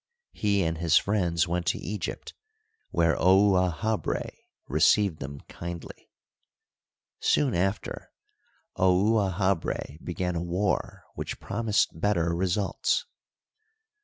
He and his friends went to Egypt, where Ouahabra re ceived them kindly. Soon after Ouahabra began a war which promised better results.